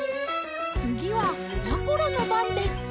つぎはやころのばんです。